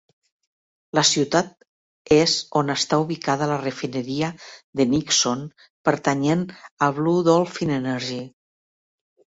La ciutat és on està ubicada la refineria de Nixon pertanyent a Blue Dolphin Energy.